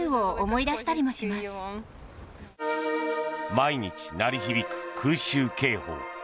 毎日鳴り響く空襲警報。